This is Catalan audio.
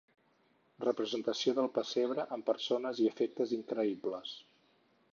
Representació del pessebre amb persones i efectes increïbles.